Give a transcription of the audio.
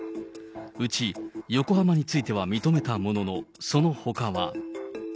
うち横浜については認めたものの、そのほかは。